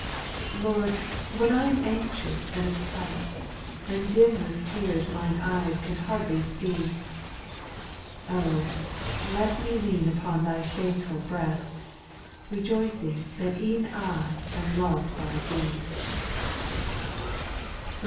Lord, when I am anxious and oppressed. And dim with tears mine eyes can hardly see. Oh 1 let me lean upon Thy faithful breast, Rejoicing that e'en I am loved by Thee.